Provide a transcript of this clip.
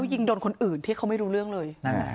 ยิงโดนคนอื่นที่เขาไม่รู้เรื่องเลย